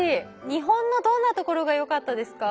日本のどんなところがよかったですか？